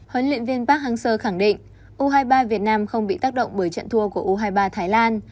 huấn luyện viên park hang seo khẳng định u hai mươi ba việt nam không bị tác động bởi trận thua của u hai mươi ba thái lan